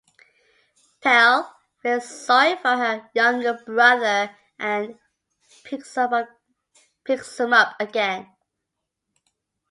Pele feels sorry for her younger brother and picks him up again.